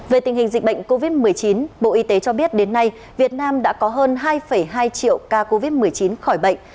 về tình hình dịch bệnh covid một mươi chín bộ y tế cho biết đến nay việt nam đã có hơn hai hai triệu ca covid một mươi chín khỏi bệnh